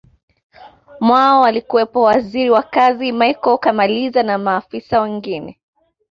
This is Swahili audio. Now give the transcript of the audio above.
mwao alikuwepo Waziri wa kazi Michael kamaliza na maafisa wengine